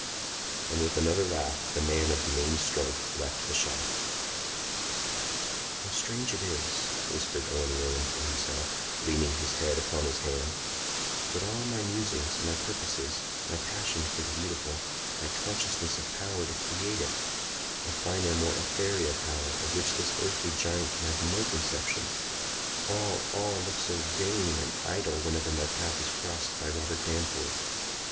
And with another laugh the man of main strength left the shop. "How strange it is," whispered Owen Warland to himself, leaning his head upon his hand, "that all my musings, my purposes, my passion for the beautiful, my consciousness of power to create it,—a finer, more ethereal power, of which this earthly giant can have no conception,—all, all, look so vain and idle whenever my path is crossed by Robert Danforth!